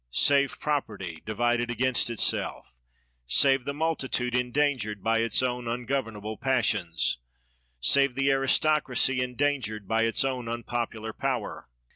Save property, divided against itself. Save the multitude, endangered by its own un governable passions. Save the aristocracy, en dangered by its own unpopular power.